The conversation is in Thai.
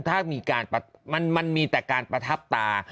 ถ้ามีการมันมีแต่การประทับตา